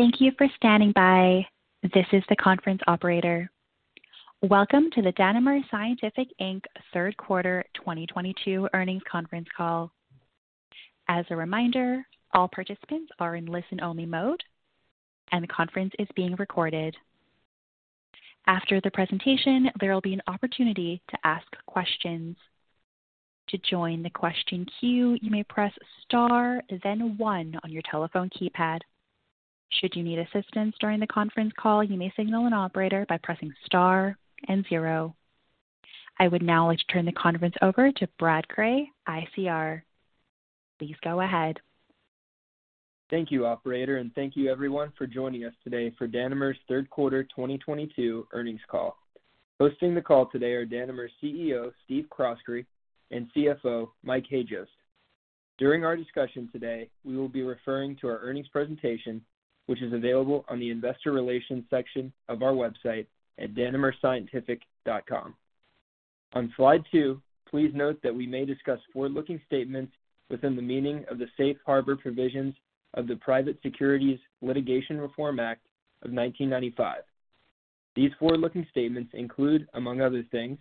Thank you for standing by. This is the conference operator. Welcome to the Danimer Scientific, Inc. Third Quarter 2022 earnings conference call. As a reminder, all participants are in listen only mode and the conference is being recorded. After the presentation, there will be an opportunity to ask questions. To join the question queue, you may press star then one on your telephone keypad. Should you need assistance during the conference call, you may signal an operator by pressing star and zero. I would now like to turn the conference over to Brad Cray, ICR. Please go ahead. Thank you, operator, and thank you everyone for joining us today for Danimer's third quarter 2022 earnings call. Hosting the call today are Danimer's CEO, Stephen Croskrey, and CFO, Mike Hajost. During our discussion today, we will be referring to our earnings presentation, which is available on the investor relations section of our website at danimerscientific.com. On slide two, please note that we may discuss forward-looking statements within the meaning of the Safe Harbor provisions of the Private Securities Litigation Reform Act of 1995. These forward-looking statements include, among other things,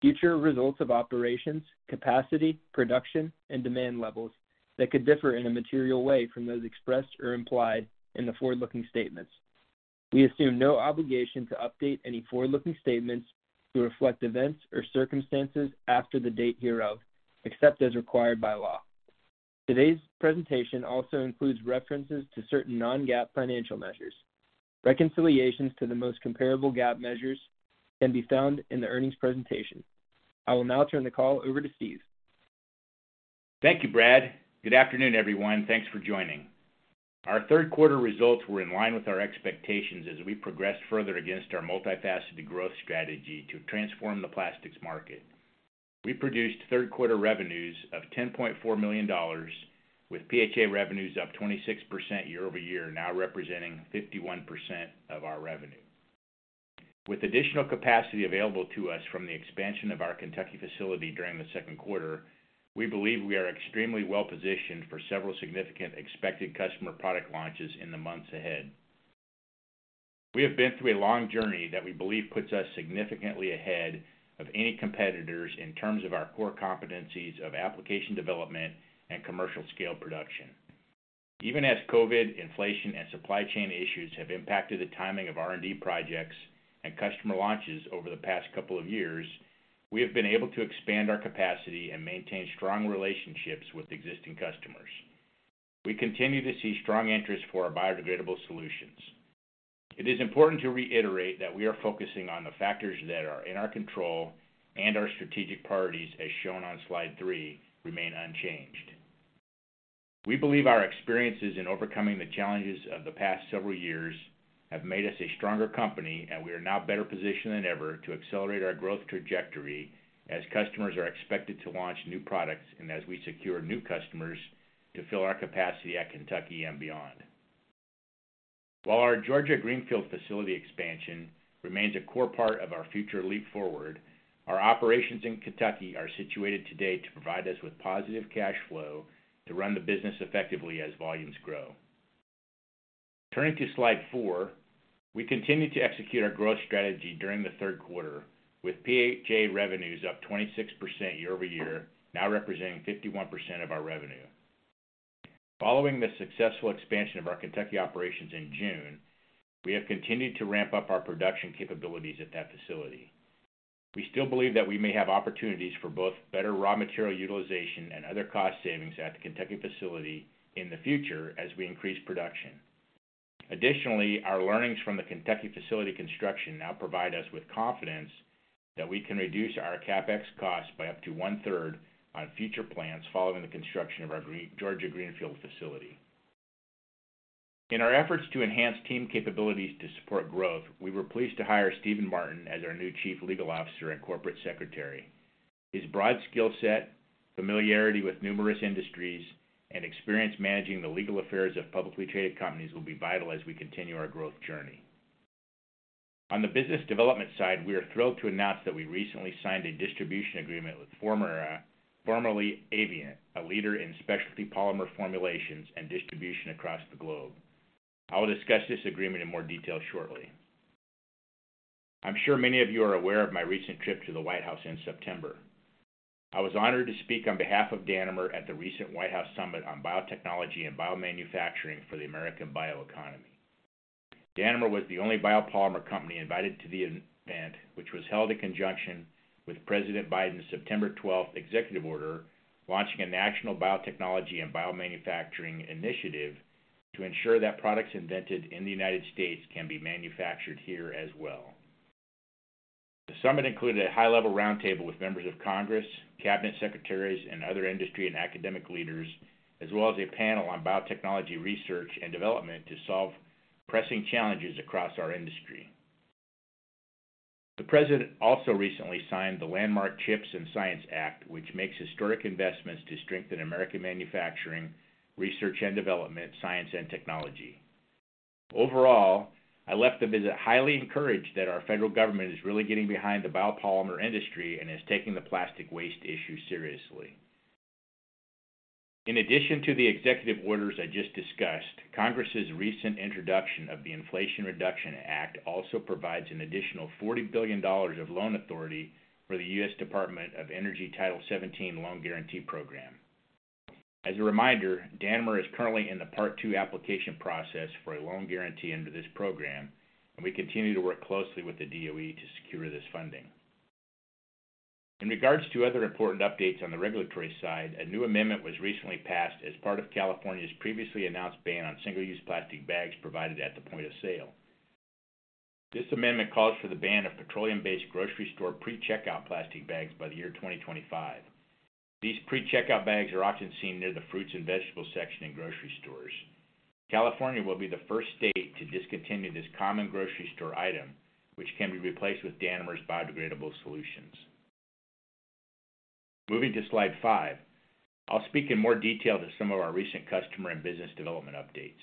future results of operations, capacity, production, and demand levels that could differ in a material way from those expressed or implied in the forward-looking statements. We assume no obligation to update any forward-looking statements to reflect events or circumstances after the date hereof, except as required by law. Today's presentation also includes references to certain non-GAAP financial measures. Reconciliations to the most comparable GAAP measures can be found in the earnings presentation. I will now turn the call over to Steve. Thank you, Brad. Good afternoon, everyone. Thanks for joining. Our third quarter results were in line with our expectations as we progress further against our multifaceted growth strategy to transform the plastics market. We produced third quarter revenues of $10.4 million with PHA revenues up 26% year-over-year, now representing 51% of our revenue. With additional capacity available to us from the expansion of our Kentucky facility during the second quarter, we believe we are extremely well-positioned for several significant expected customer product launches in the months ahead. We have been through a long journey that we believe puts us significantly ahead of any competitors in terms of our core competencies of application development and commercial scale production. Even as COVID, inflation, and supply chain issues have impacted the timing of R&D projects and customer launches over the past couple of years, we have been able to expand our capacity and maintain strong relationships with existing customers. We continue to see strong interest for our biodegradable solutions. It is important to reiterate that we are focusing on the factors that are in our control, and our strategic priorities, as shown on slide three, remain unchanged. We believe our experiences in overcoming the challenges of the past several years have made us a stronger company, and we are now better positioned than ever to accelerate our growth trajectory as customers are expected to launch new products and as we secure new customers to fill our capacity at Kentucky and beyond. While our Georgia greenfield facility expansion remains a core part of our future leap forward, our operations in Kentucky are situated today to provide us with positive cash flow to run the business effectively as volumes grow. Turning to slide four, we continue to execute our growth strategy during the third quarter, with PHA revenues up 26% year-over-year, now representing 51% of our revenue. Following the successful expansion of our Kentucky operations in June, we have continued to ramp up our production capabilities at that facility. We still believe that we may have opportunities for both better raw material utilization and other cost savings at the Kentucky facility in the future as we increase production. Additionally, our learnings from the Kentucky facility construction now provide us with confidence that we can reduce our CapEx costs by up to one-third on future plans following the construction of our Georgia greenfield facility. In our efforts to enhance team capabilities to support growth, we were pleased to hire Stephen Martin as our new Chief Legal Officer and Corporate Secretary. His broad skill set, familiarity with numerous industries, and experience managing the legal affairs of publicly traded companies will be vital as we continue our growth journey. On the business development side, we are thrilled to announce that we recently signed a distribution agreement with Formerra, formerly Avient, a leader in specialty polymer formulations and distribution across the globe. I will discuss this agreement in more detail shortly. I am sure many of you are aware of my recent trip to the White House in September. I was honored to speak on behalf of Danimer at the recent White House Summit on Biotechnology and Biomanufacturing for the American Bioeconomy. Danimer was the only biopolymer company invited to the event, which was held in conjunction with President Biden's September 12th executive order, launching a national biotechnology and biomanufacturing initiative to ensure that products invented in the United States can be manufactured here as well. The summit included a high-level roundtable with members of Congress, cabinet secretaries, and other industry and academic leaders, as well as a panel on biotechnology research and development to solve pressing challenges across our industry. The President also recently signed the landmark CHIPS and Science Act, which makes historic investments to strengthen American manufacturing, research and development, science and technology. Overall, I left the visit highly encouraged that our federal government is really getting behind the biopolymer industry and is taking the plastic waste issue seriously. In addition to the executive orders I just discussed, Congress's recent introduction of the Inflation Reduction Act also provides an additional $40 billion of loan authority for the U.S. Department of Energy Title XVII loan guarantee program. As a reminder, Danimer is currently in the part two application process for a loan guarantee under this program, and we continue to work closely with the DOE to secure this funding. In regards to other important updates on the regulatory side, a new amendment was recently passed as part of California's previously announced ban on single-use plastic bags provided at the point of sale. This amendment calls for the ban of petroleum-based grocery store pre-checkout plastic bags by the year 2025. These pre-checkout bags are often seen near the fruits and vegetable section in grocery stores. California will be the first state to discontinue this common grocery store item, which can be replaced with Danimer's biodegradable solutions. Moving to slide five, I'll speak in more detail to some of our recent customer and business development updates.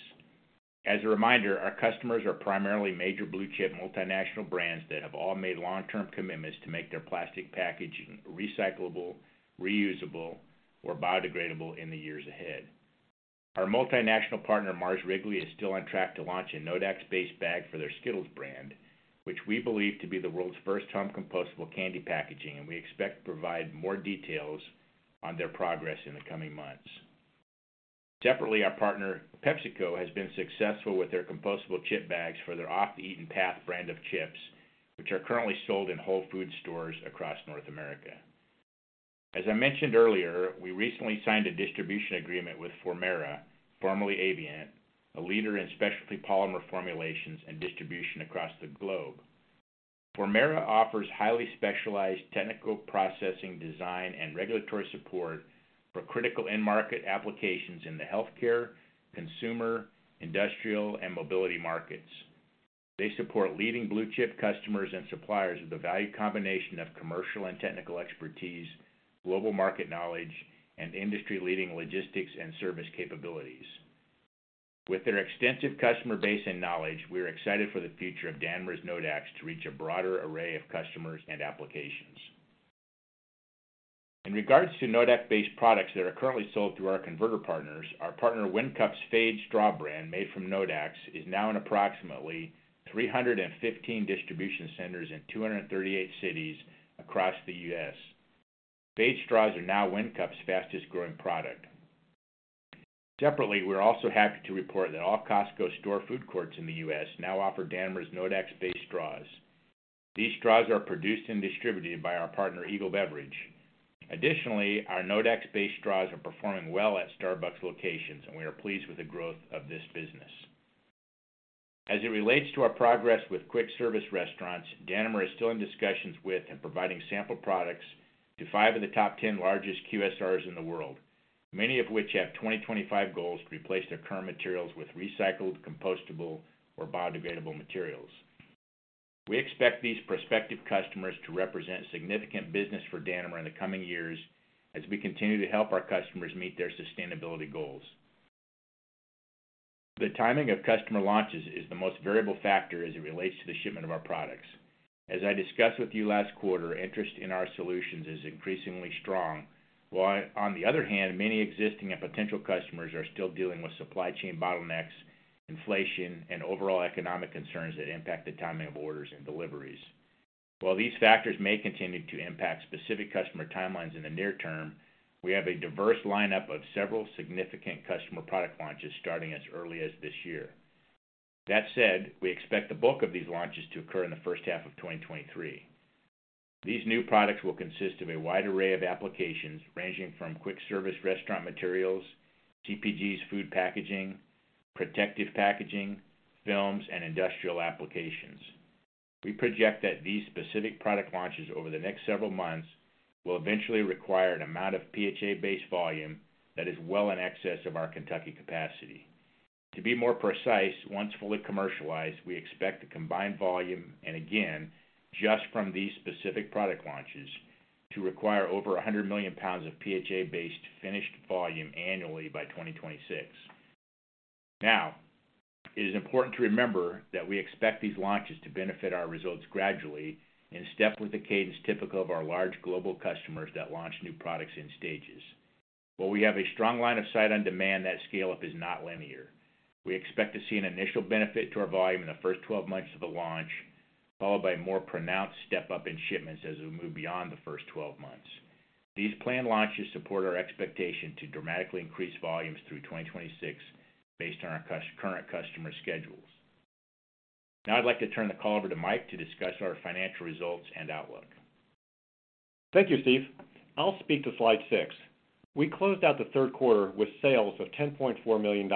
As a reminder, our customers are primarily major blue chip multinational brands that have all made long-term commitments to make their plastic packaging recyclable, reusable, or biodegradable in the years ahead. Our multinational partner, Mars Wrigley, is still on track to launch a Nodax-based bag for their Skittles brand, which we believe to be the world's first home compostable candy packaging, and we expect to provide more details on their progress in the coming months. Separately, our partner, PepsiCo, has been successful with their compostable chip bags for their Off The Eaten Path brand of chips, which are currently sold in Whole Foods stores across North America. As I mentioned earlier, we recently signed a distribution agreement with Formerra, formerly Avient, a leader in specialty polymer formulations and distribution across the globe. Formerra offers highly specialized technical processing design and regulatory support for critical end market applications in the healthcare, consumer, industrial, and mobility markets. They support leading blue chip customers and suppliers with a valued combination of commercial and technical expertise, global market knowledge, and industry-leading logistics and service capabilities. With their extensive customer base and knowledge, we are excited for the future of Danimer's Nodax to reach a broader array of customers and applications. In regards to Nodax-based products that are currently sold through our converter partners, our partner WinCup's phade Straw brand, made from Nodax, is now in approximately 315 distribution centers in 238 cities across the U.S. phade Straws are now WinCup's fastest growing product. Separately, we're also happy to report that all Costco store food courts in the U.S. now offer Danimer's Nodax-based straws. These straws are produced and distributed by our partner, Eagle Beverage. Additionally, our Nodax-based straws are performing well at Starbucks locations, and we are pleased with the growth of this business. As it relates to our progress with quick service restaurants, Danimer is still in discussions with and providing sample products to five of the top 10 largest QSRs in the world, many of which have 2025 goals to replace their current materials with recycled, compostable, or biodegradable materials. We expect these prospective customers to represent significant business for Danimer Scientific in the coming years as we continue to help our customers meet their sustainability goals. The timing of customer launches is the most variable factor as it relates to the shipment of our products. As I discussed with you last quarter, interest in our solutions is increasingly strong, while on the other hand, many existing and potential customers are still dealing with supply chain bottlenecks, inflation, and overall economic concerns that impact the timing of orders and deliveries. While these factors may continue to impact specific customer timelines in the near term, we have a diverse lineup of several significant customer product launches starting as early as this year. That said, we expect the bulk of these launches to occur in the first half of 2023. These new products will consist of a wide array of applications, ranging from quick service restaurant materials, CPGs food packaging, protective packaging, films, and industrial applications. We project that these specific product launches over the next several months will eventually require an amount of PHA-based volume that is well in excess of our Kentucky capacity. To be more precise, once fully commercialized, we expect the combined volume, and again, just from these specific product launches, to require over 100 million pounds of PHA-based finished volume annually by 2026. Now, it is important to remember that we expect these launches to benefit our results gradually in step with the cadence typical of our large global customers that launch new products in stages. While we have a strong line of sight on demand, that scale-up is not linear. We expect to see an initial benefit to our volume in the first 12 months of the launch, followed by a more pronounced step-up in shipments as we move beyond the first 12 months. These planned launches support our expectation to dramatically increase volumes through 2026 based on our current customer schedules. Now I'd like to turn the call over to Mike to discuss our financial results and outlook. Thank you, Steve. I'll speak to slide six. We closed out the third quarter with sales of $10.4 million,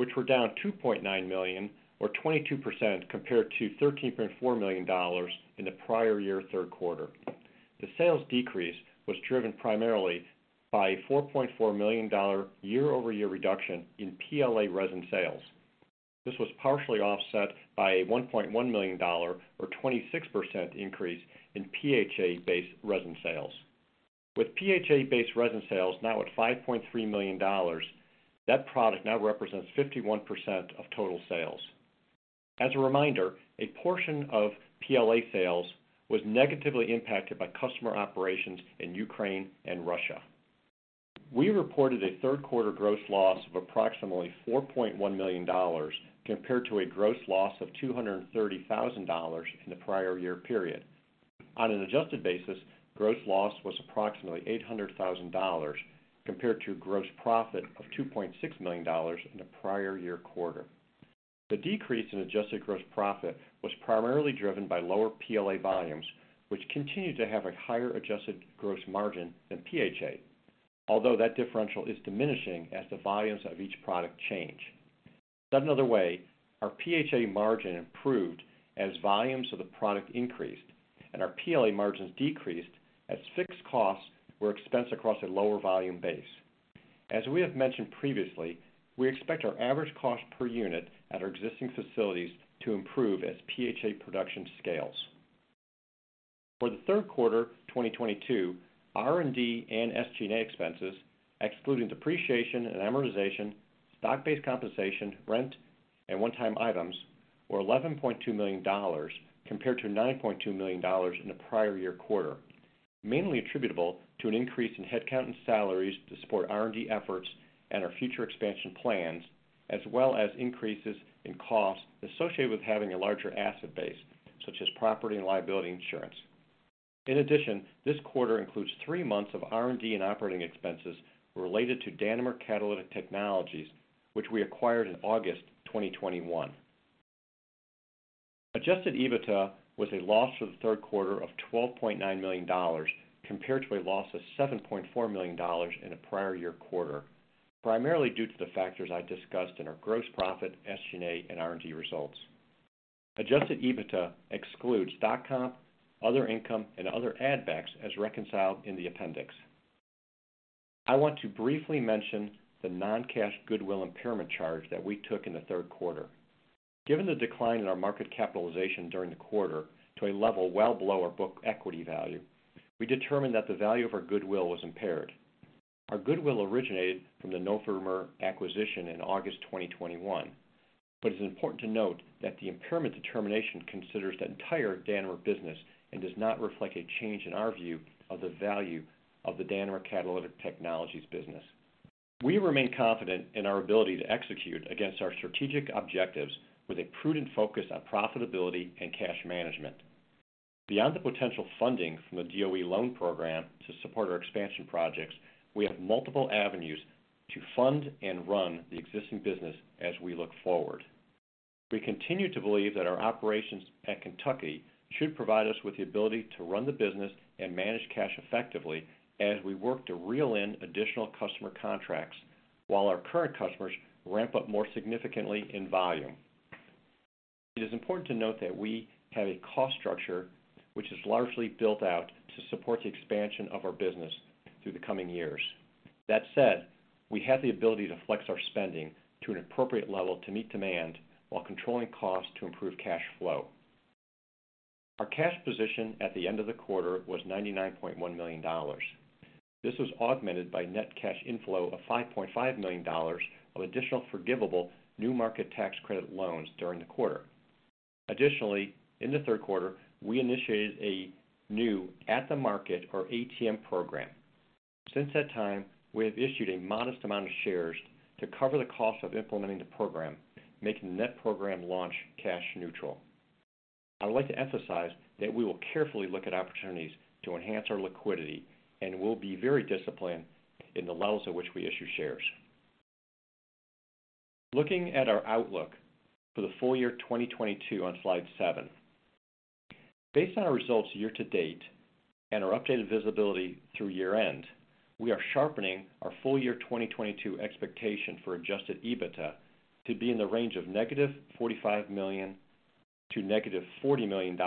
which were down $2.9 million, or 22% compared to $13.4 million in the prior year third quarter. The sales decrease was driven primarily by a $4.4 million year-over-year reduction in PLA resin sales. This was partially offset by a $1.1 million, or 26% increase in PHA-based resin sales. With PHA-based resin sales now at $5.3 million, that product now represents 51% of total sales. As a reminder, a portion of PLA sales was negatively impacted by customer operations in Ukraine and Russia. We reported a third quarter gross loss of approximately $4.1 million compared to a gross loss of $230,000 in the prior year period. On an adjusted basis, gross loss was approximately $800,000 compared to gross profit of $2.6 million in the prior year quarter. The decrease in adjusted gross profit was primarily driven by lower PLA volumes, which continued to have a higher adjusted gross margin than PHA, although that differential is diminishing as the volumes of each product change. Said another way, our PHA margin improved as volumes of the product increased, and our PLA margins decreased as fixed costs were expensed across a lower volume base. As we have mentioned previously, we expect our average cost per unit at our existing facilities to improve as PHA production scales. For the third quarter 2022, R&D and SG&A expenses, excluding depreciation and amortization, stock-based compensation, rent, and one-time items, were $11.2 million, compared to $9.2 million in the prior year quarter, mainly attributable to an increase in head count and salaries to support R&D efforts and our future expansion plans, as well as increases in costs associated with having a larger asset base, such as property and liability insurance. In addition, this quarter includes three months of R&D and operating expenses related to Danimer Catalytic Technologies, which we acquired in August 2021. Adjusted EBITDA was a loss for the third quarter of $12.9 million, compared to a loss of $7.4 million in the prior year quarter, primarily due to the factors I discussed in our gross profit, SG&A, and R&D results. Adjusted EBITDA excludes stock comp, other income, and other add backs as reconciled in the appendix. I want to briefly mention the non-cash goodwill impairment charge that we took in the third quarter. Given the decline in our market capitalization during the quarter to a level well below our book equity value, we determined that the value of our goodwill was impaired. Our goodwill originated from the Novomer acquisition in August 2021, but it is important to note that the impairment determination considers the entire Danimer business and does not reflect a change in our view of the value of the Danimer Catalytic Technologies business. We remain confident in our ability to execute against our strategic objectives with a prudent focus on profitability and cash management. Beyond the potential funding from the DOE loan program to support our expansion projects, we have multiple avenues to fund and run the existing business as we look forward. We continue to believe that our operations at Kentucky should provide us with the ability to run the business and manage cash effectively as we work to reel in additional customer contracts while our current customers ramp up more significantly in volume. It is important to note that we have a cost structure which is largely built out to support the expansion of our business through the coming years. That said, we have the ability to flex our spending to an appropriate level to meet demand while controlling costs to improve cash flow. Our cash position at the end of the quarter was $99.1 million. This was augmented by net cash inflow of $5.5 million of additional forgivable new market tax credit loans during the quarter. Additionally, in the third quarter, we initiated a new at-the-market, or ATM program. Since that time, we have issued a modest amount of shares to cover the cost of implementing the program, making the net program launch cash neutral. I would like to emphasize that we will carefully look at opportunities to enhance our liquidity, and we'll be very disciplined in the levels at which we issue shares. Looking at our outlook for the full year 2022 on slide seven. Based on our results year to date and our updated visibility through year-end, we are sharpening our full-year 2022 expectation for adjusted EBITDA to be in the range of negative $45 million to negative $40 million.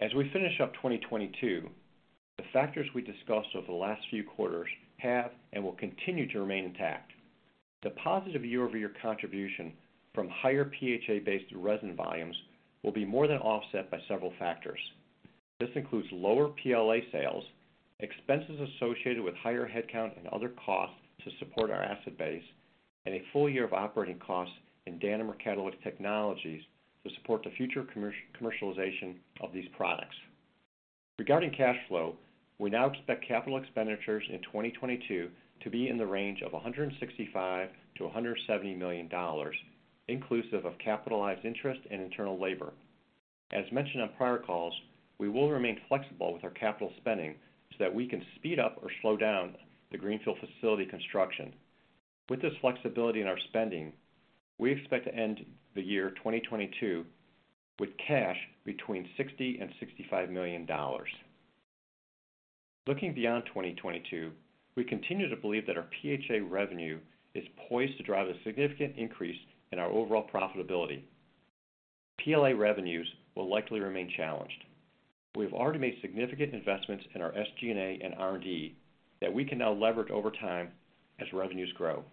As we finish up 2022, the factors we discussed over the last few quarters have and will continue to remain intact. The positive year-over-year contribution from higher PHA-based resin volumes will be more than offset by several factors. This includes lower PLA sales, expenses associated with higher headcount and other costs to support our asset base, and a full year of operating costs in Danimer Catalytic Technologies to support the future commercialization of these products. Regarding cash flow, we now expect capital expenditures in 2022 to be in the range of $165 million-$170 million, inclusive of capitalized interest and internal labor. As mentioned on prior calls, we will remain flexible with our capital spending so that we can speed up or slow down the Greenfield facility construction. With this flexibility in our spending, we expect to end the year 2022 with cash between $60 million and $65 million. Looking beyond 2022, we continue to believe that our PHA revenue is poised to drive a significant increase in our overall profitability. PLA revenues will likely remain challenged. We have already made significant investments in our SG&A and R&D that we can now leverage over time as revenues grow.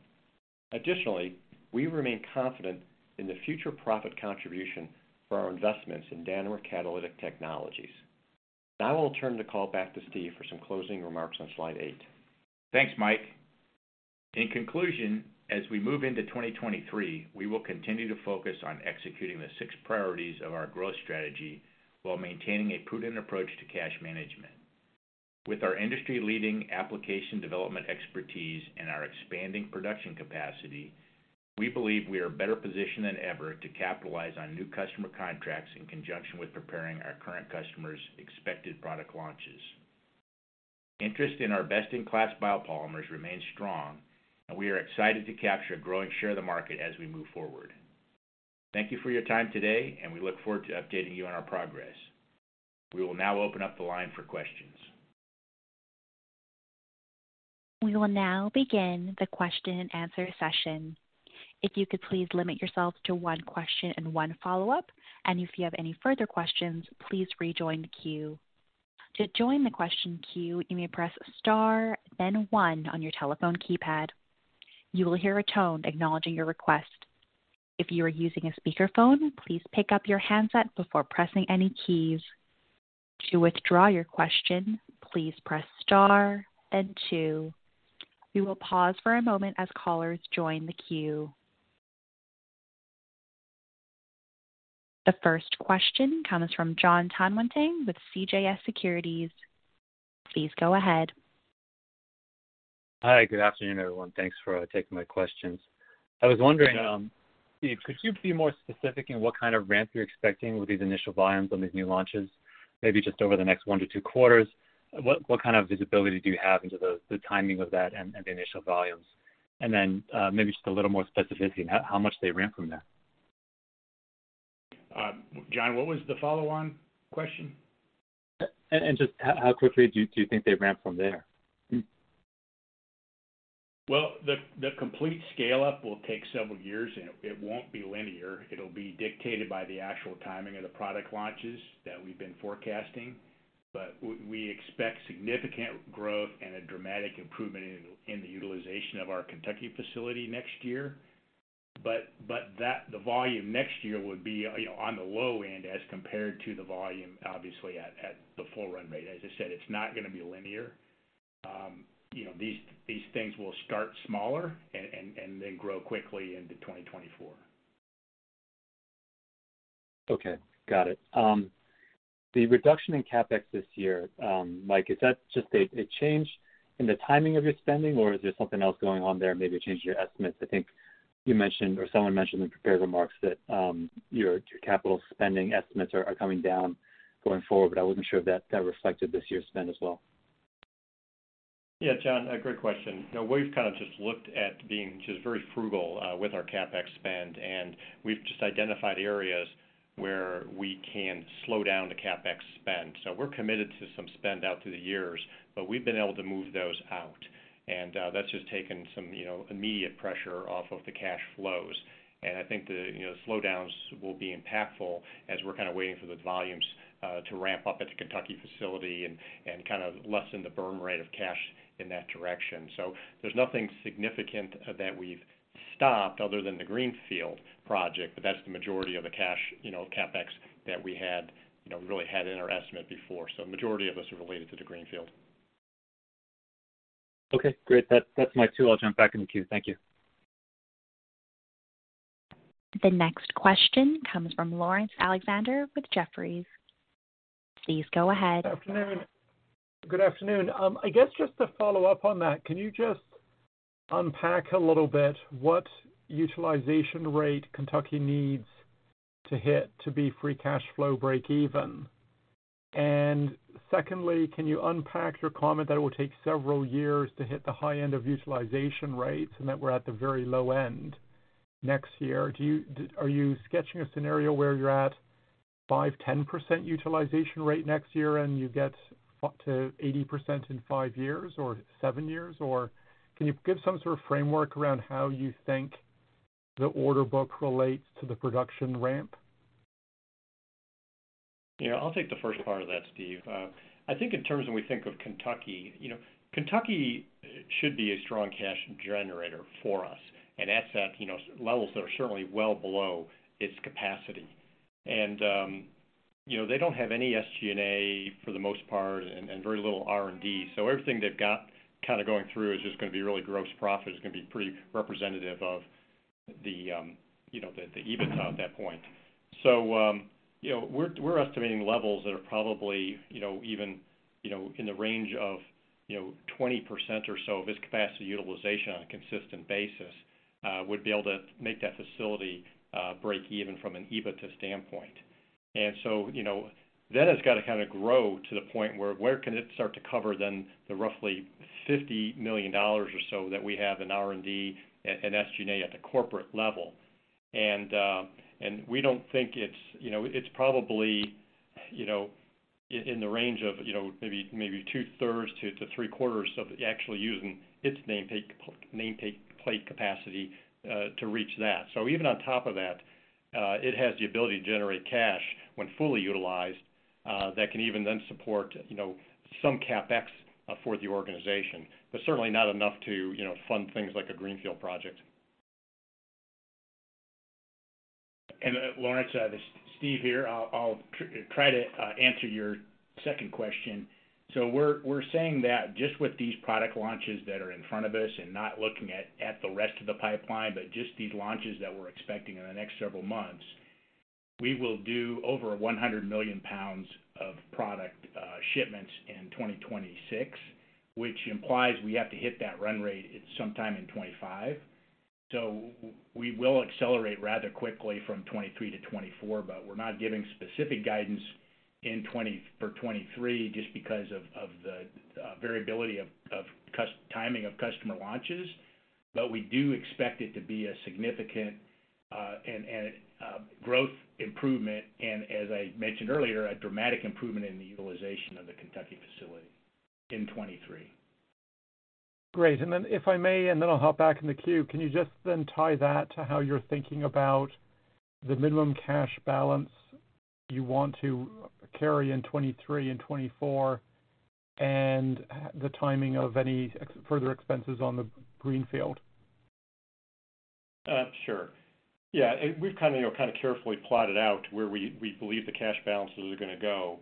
Additionally, we remain confident in the future profit contribution for our investments in Danimer Catalytic Technologies. Now I'll turn the call back to Steve for some closing remarks on slide eight. Thanks, Mike. In conclusion, as we move into 2023, we will continue to focus on executing the six priorities of our growth strategy while maintaining a prudent approach to cash management. With our industry-leading application development expertise and our expanding production capacity, we believe we are better positioned than ever to capitalize on new customer contracts in conjunction with preparing our current customers' expected product launches. Interest in our best-in-class biopolymers remains strong. We are excited to capture a growing share of the market as we move forward. Thank you for your time today. We look forward to updating you on our progress. We will now open up the line for questions. We will now begin the question and answer session. If you could please limit yourself to one question and one follow-up, if you have any further questions, please rejoin the queue. To join the question queue, you may press star then one on your telephone keypad. You will hear a tone acknowledging your request. If you are using a speakerphone, please pick up your handset before pressing any keys. To withdraw your question, please press star and two. We will pause for a moment as callers join the queue. The first question comes from John Tanwanteng with CJS Securities. Please go ahead. Hi, good afternoon, everyone. Thanks for taking my questions. I was wondering. Yeah Steve, could you be more specific in what kind of ramp you're expecting with these initial volumes on these new launches, maybe just over the next one to two quarters? What kind of visibility do you have into the timing of that and the initial volumes? Maybe just a little more specificity on how much they ramp from there. John, what was the follow-on question? Just how quickly do you think they ramp from there? Well, the complete scale-up will take several years, it won't be linear. It'll be dictated by the actual timing of the product launches that we've been forecasting. We expect significant growth and a dramatic improvement in the utilization of our Kentucky facility next year. The volume next year would be on the low end as compared to the volume, obviously, at the full run rate. As I said, it's not going to be linear. These things will start smaller and then grow quickly into 2024. Okay. Got it. The reduction in CapEx this year, Mike, is that just a change in the timing of your spending, or is there something else going on there, maybe a change in your estimates? I think you mentioned, or someone mentioned in the prepared remarks that your capital spending estimates are coming down going forward, but I wasn't sure if that reflected this year's spend as well. Yeah, John, great question. We've kind of just looked at being just very frugal with our CapEx spend, we've just identified areas where we can slow down the CapEx spend. We're committed to some spend out through the years, but we've been able to move those out, and that's just taken some immediate pressure off of the cash flows. I think the slowdowns will be impactful as we're kind of waiting for the volumes to ramp up at the Kentucky facility and kind of lessen the burn rate of cash in that direction. There's nothing significant that we've stopped other than the Greenfield project, but that's the majority of the cash, CapEx that we really had in our estimate before. Majority of this related to the Greenfield. Okay, great. That's my two. I'll jump back in the queue. Thank you. The next question comes from Lawrence Alexander with Jefferies. Please go ahead. Good afternoon. I guess just to follow up on that, can you just unpack a little bit what utilization rate Kentucky needs to hit to be free cash flow breakeven? Secondly, can you unpack your comment that it will take several years to hit the high end of utilization rates, and that we're at the very low end next year? Are you sketching a scenario where you're at 5%, 10% utilization rate next year and you get up to 80% in five years or seven years, or can you give some sort of framework around how you think the order book relates to the production ramp? Yeah, I'll take the first part of that, Steve. I think in terms when we think of Kentucky should be a strong cash generator for us, and that's at levels that are certainly well below its capacity. They don't have any SG&A for the most part, and very little R&D. Everything they've got kind of going through is just going to be really gross profit. It's going to be pretty representative of the EBITDA at that point. We're estimating levels that are probably even in the range of 20% or so of its capacity utilization on a consistent basis would be able to make that facility break even from an EBITDA standpoint. That has got to kind of grow to the point where can it start to cover, then, the roughly $50 million or so that we have in R&D and SG&A at the corporate level. We don't think it's probably in the range of maybe two-thirds to three-quarters of actually using its nameplate capacity to reach that. Even on top of that, it has the ability to generate cash when fully utilized that can even then support some CapEx for the organization, but certainly not enough to fund things like a greenfield project. Lawrence, Steve here. I'll try to answer your second question. We're saying that just with these product launches that are in front of us and not looking at the rest of the pipeline, but just these launches that we're expecting in the next several months, we will do over 100 million pounds of product shipments in 2026, which implies we have to hit that run rate at sometime in 2025. We will accelerate rather quickly from 2023 to 2024, but we're not giving specific guidance for 2023 just because of the variability of timing of customer launches. We do expect it to be a significant growth improvement and, as I mentioned earlier, a dramatic improvement in the utilization of the Kentucky facility in 2023. Great. If I may, then I'll hop back in the queue, can you just then tie that to how you're thinking about the minimum cash balance you want to carry in 2023 and 2024 and the timing of any further expenses on the greenfield? Sure. Yeah. We've kind of carefully plotted out where we believe the cash balances are going to go.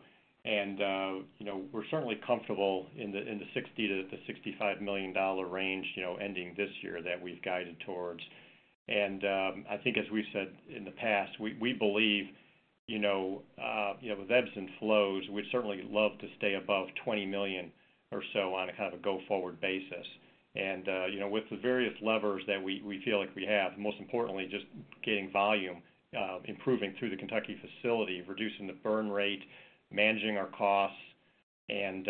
We're certainly comfortable in the $60 million-$65 million range ending this year that we've guided towards. I think as we've said in the past, we believe with ebbs and flows, we'd certainly love to stay above $20 million or so on a go forward basis. With the various levers that we feel like we have, most importantly just getting volume improving through the Kentucky facility, reducing the burn rate, managing our costs and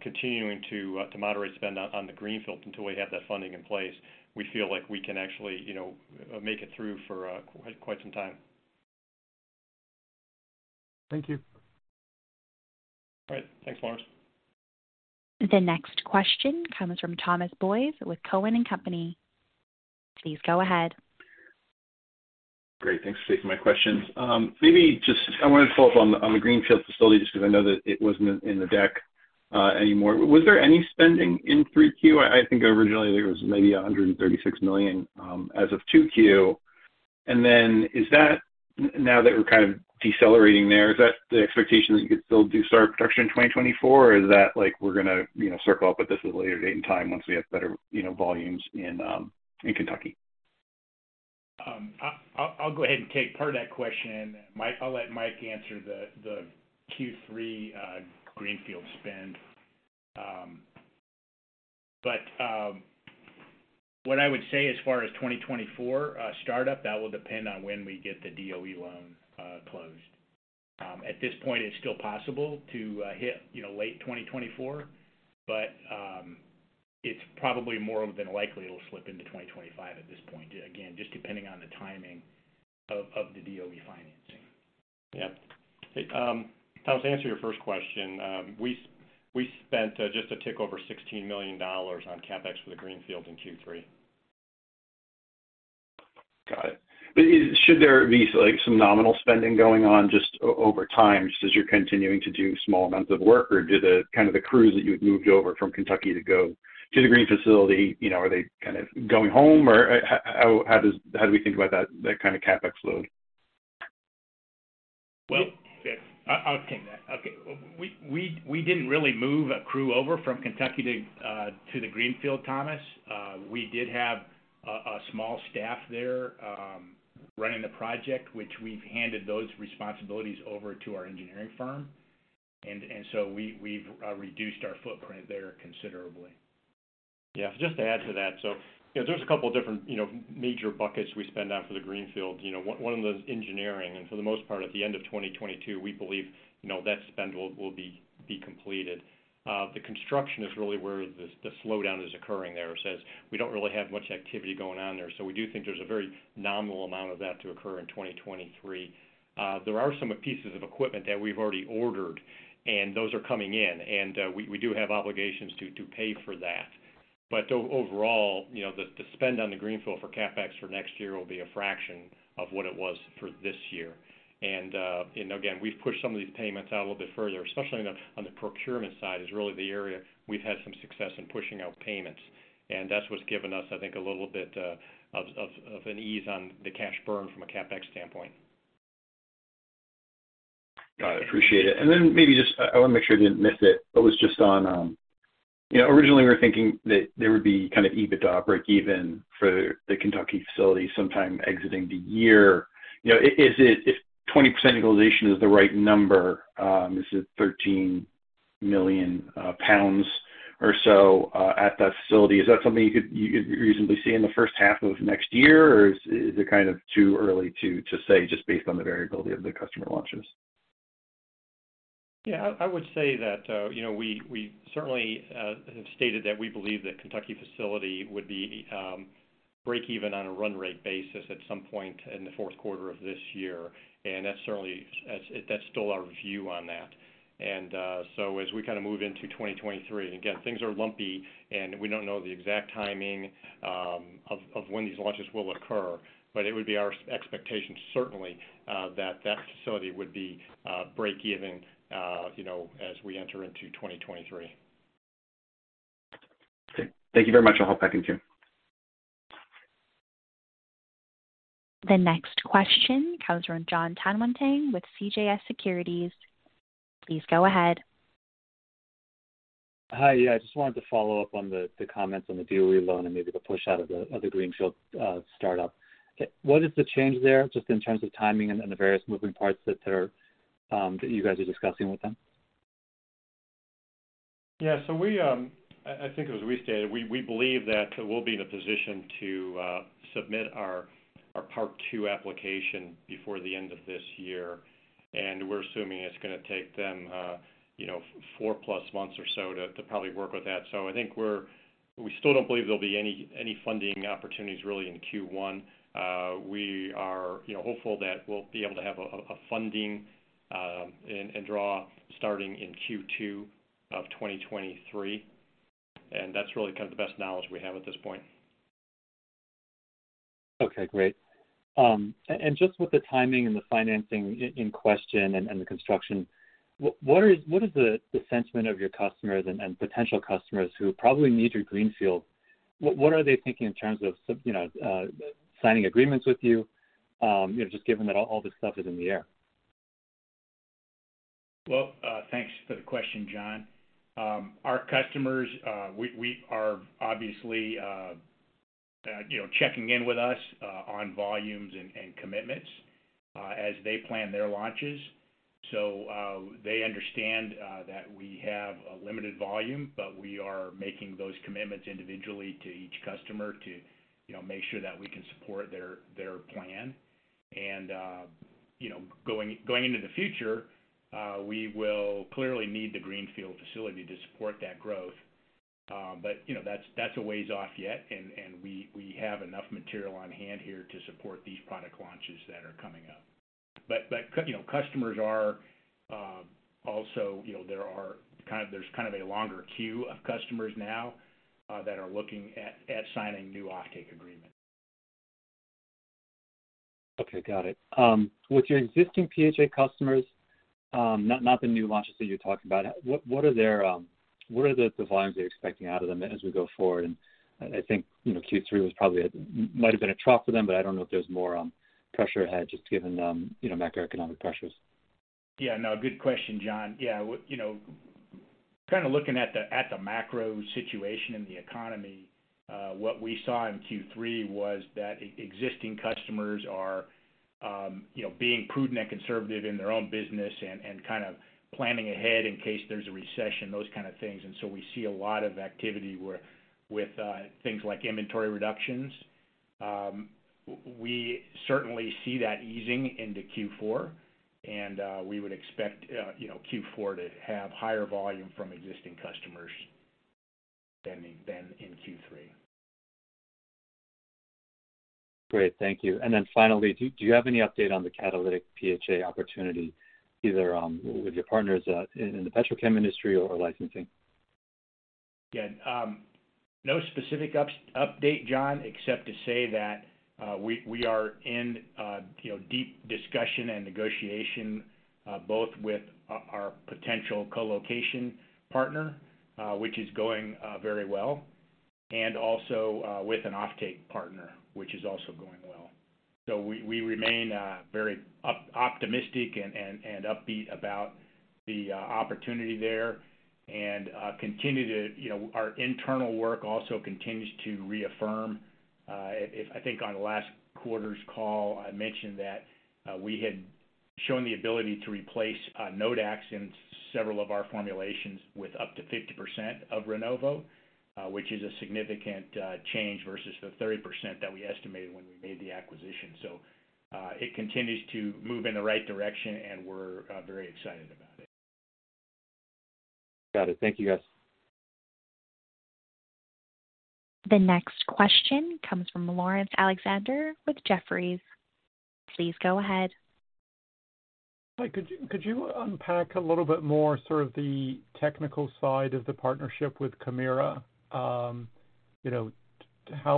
continuing to moderate spend on the greenfield until we have that funding in place, we feel like we can actually make it through for quite some time. Thank you. All right. Thanks, Lawrence. The next question comes from Thomas Boyes with Cowen and Company. Please go ahead. Great. Thanks for taking my questions. Maybe just, I wanted to follow up on the greenfield facility, just because I know that it wasn't in the deck anymore. Was there any spending in 3Q? I think originally there was maybe $136 million as of 2Q. Now that we're kind of decelerating there, is that the expectation that you could still do start production in 2024, or is that like we're going to circle up with this at a later date and time once we have better volumes in Kentucky? I'll go ahead and take part of that question. I'll let Mike answer the Q3 greenfield spend. What I would say as far as 2024 startup, that will depend on when we get the DOE loan closed. At this point, it's still possible to hit late 2024, but it's probably more than likely it'll slip into 2025 at this point. Again, just depending on the timing of the DOE financing. Yeah. Thomas, to answer your first question, we spent just a tick over $16 million on CapEx for the greenfield in Q3. Got it. Should there be some nominal spending going on just over time, just as you're continuing to do small amounts of work, or do the crews that you had moved over from Kentucky to go to the green facility, are they kind of going home or how do we think about that kind of CapEx load? Well, I'll take that. Okay. We didn't really move a crew over from Kentucky to the greenfield, Thomas. We did have a small staff there running the project, which we've handed those responsibilities over to our engineering firm. So we've reduced our footprint there considerably. Just to add to that. There's a couple different major buckets we spend on for the greenfield. One of them is engineering, and for the most part, at the end of 2022, we believe that spend will be completed. The construction is really where the slowdown is occurring there, we don't really have much activity going on there. We do think there's a very nominal amount of that to occur in 2023. There are some pieces of equipment that we've already ordered, and those are coming in, and we do have obligations to pay for that. Overall, the spend on the greenfield for CapEx for next year will be a fraction of what it was for this year. Again, we've pushed some of these payments out a little bit further, especially on the procurement side is really the area we've had some success in pushing out payments. That's what's given us, I think, a little bit of an ease on the cash burn from a CapEx standpoint. Got it. Appreciate it. Then maybe just, I want to make sure I didn't miss it. It was just on, originally we were thinking that there would be kind of EBITDA breakeven for the Kentucky facility sometime exiting the year. If 20% utilization is the right number, this is 13 million pounds or so at that facility, is that something you could reasonably see in the first half of next year, or is it kind of too early to say just based on the variability of the customer launches? I would say that we certainly have stated that we believe the Kentucky facility would be breakeven on a run rate basis at some point in the fourth quarter of this year, that's still our view on that. As we move into 2023, again, things are lumpy and we don't know the exact timing of when these launches will occur, it would be our expectation certainly that facility would be breakeven as we enter into 2023. Okay. Thank you very much. I'll hop back in queue. The next question comes from John Tanwanteng with CJS Securities. Please go ahead. Hi. Yeah, I just wanted to follow up on the comments on the DOE loan and maybe the push out of the greenfield startup. What is the change there, just in terms of timing and the various moving parts that you guys are discussing with them? Yeah. I think as we stated, we believe that we'll be in a position to submit our part 2 application before the end of this year, and we're assuming it's going to take them four-plus months or so to probably work with that. I think we still don't believe there'll be any funding opportunities really in Q1. We are hopeful that we'll be able to have a funding and draw starting in Q2 of 2023, and that's really the best knowledge we have at this point. Okay, great. Just with the timing and the financing in question and the construction, what is the sentiment of your customers and potential customers who probably need your greenfield? What are they thinking in terms of signing agreements with you, just given that all this stuff is in the air? Well, thanks for the question, John. Our customers are obviously checking in with us on volumes and commitments as they plan their launches. They understand that we have a limited volume, but we are making those commitments individually to each customer to make sure that we can support their plan. Going into the future, we will clearly need the greenfield facility to support that growth. That's a ways off yet, and we have enough material on hand here to support these product launches that are coming up. There's kind of a longer queue of customers now that are looking at signing new offtake agreements. Okay, got it. With your existing PHA customers, not the new launches that you're talking about, what are the volumes you're expecting out of them as we go forward? I think Q3 might have been a trough for them, but I don't know if there's more pressure ahead, just given macroeconomic pressures. Yeah, no, good question, John. Kind of looking at the macro situation in the economy, what we saw in Q3 was that existing customers are being prudent and conservative in their own business and kind of planning ahead in case there's a recession, those kind of things. We see a lot of activity with things like inventory reductions. We certainly see that easing into Q4, and we would expect Q4 to have higher volume from existing customers than in Q3. Great. Thank you. Finally, do you have any update on the catalytic PHA opportunity, either with your partners in the petrochem industry or licensing? Again, no specific update, John, except to say that we are in deep discussion and negotiation both with our potential co-location partner, which is going very well, and also with an offtake partner, which is also going well. We remain very optimistic and upbeat about the opportunity there and our internal work also continues to reaffirm. I think on last quarter's call, I mentioned that we had shown the ability to replace Nodax in several of our formulations with up to 50% of Rinnovo, which is a significant change versus the 30% that we estimated when we made the acquisition. It continues to move in the right direction, and we're very excited about it. Got it. Thank you, guys. The next question comes from Lawrence Alexander with Jefferies. Please go ahead. Hi, could you unpack a little bit more the technical side of the partnership with Kemira,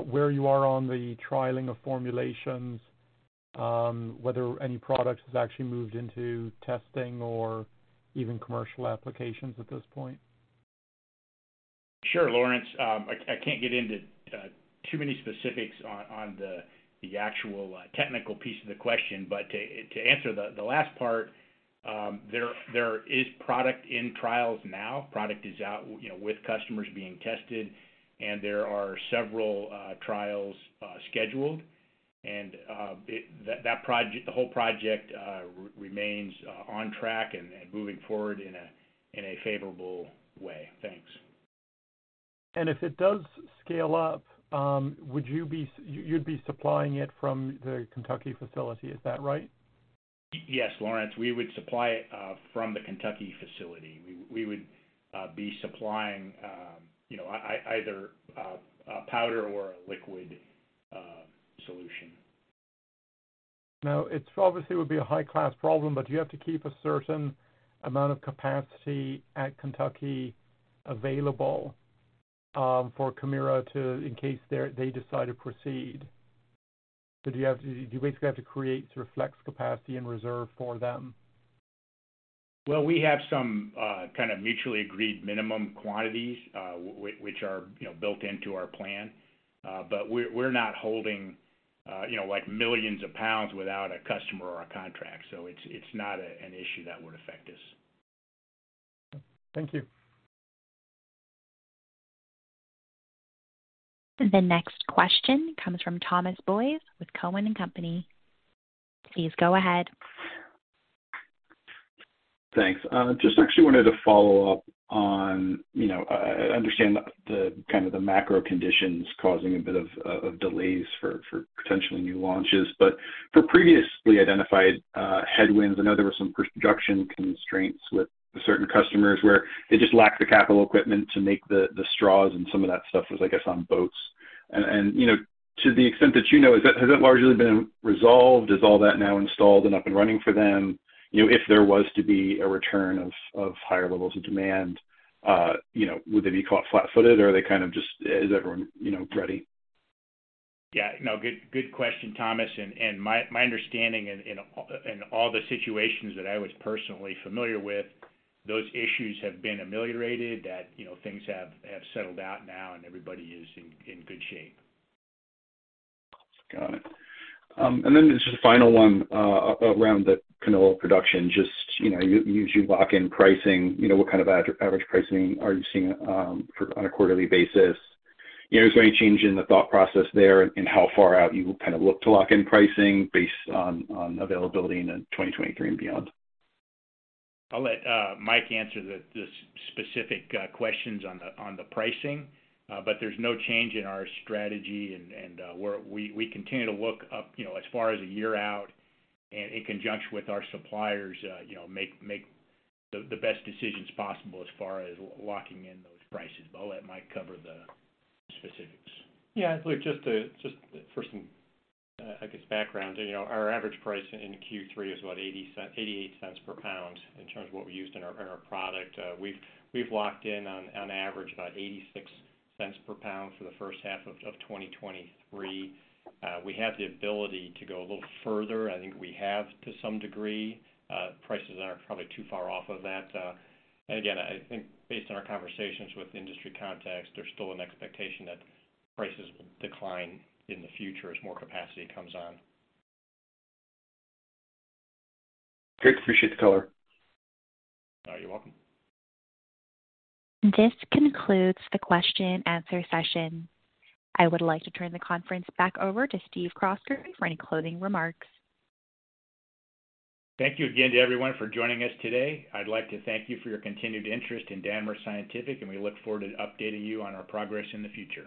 where you are on the trialing of formulations, whether any product has actually moved into testing or even commercial applications at this point? Sure, Lawrence. I can't get into too many specifics on the actual technical piece of the question, to answer the last part, there is product in trials now. Product is out with customers being tested, there are several trials scheduled. The whole project remains on track and moving forward in a favorable way. Thanks. If it does scale up, you'd be supplying it from the Kentucky facility, is that right? Yes, Lawrence. We would supply it from the Kentucky facility. We would be supplying either a powder or a liquid solution. Now, it obviously would be a high-class problem, but do you have to keep a certain amount of capacity at Kentucky available for Kemira in case they decide to proceed? Do you basically have to create sort of flex capacity and reserve for them? Well, we have some kind of mutually agreed minimum quantities, which are built into our plan. We're not holding millions of pounds without a customer or a contract. It's not an issue that would affect us. Thank you. The next question comes from Thomas Boyes with Cowen and Company. Please go ahead. Thanks. Just actually wanted to follow up on, I understand the kind of the macro conditions causing a bit of delays for potentially new launches, but for previously identified headwinds, I know there were some production constraints with certain customers where they just lacked the capital equipment to make the straws and some of that stuff was, I guess, on boats. To the extent that you know, has that largely been resolved? Is all that now installed and up and running for them? If there was to be a return of higher levels of demand, would they be caught flat-footed or they kind of just, is everyone ready? Yeah. No, good question, Thomas. My understanding in all the situations that I was personally familiar with, those issues have been ameliorated that things have settled out now and everybody is in good shape. Got it. Just a final one around the canola production, just you lock in pricing, what kind of average pricing are you seeing on a quarterly basis? Is there any change in the thought process there in how far out you will kind of look to lock in pricing based on availability in 2023 and beyond? I'll let Mike answer the specific questions on the pricing. There's no change in our strategy, and we continue to look up as far as a year out and in conjunction with our suppliers, make the best decisions possible as far as locking in those prices. I'll let Mike cover the specifics. Just for some background, our average price in Q3 is what, $0.88 per pound in terms of what we used in our product. We've locked in on average about $0.86 per pound for the first half of 2023. We have the ability to go a little further. I think we have to some degree. Prices aren't probably too far off of that. Based on our conversations with industry contacts, there's still an expectation that prices will decline in the future as more capacity comes on. Great. Appreciate the color. You're welcome. This concludes the question-and-answer session. I would like to turn the conference back over to Stephen Croskrey for any closing remarks. Thank you again to everyone for joining us today. I'd like to thank you for your continued interest in Danimer Scientific, and we look forward to updating you on our progress in the future.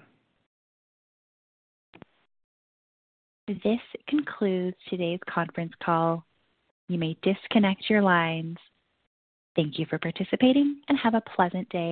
This concludes today's conference call. You may disconnect your lines. Thank you for participating, and have a pleasant day.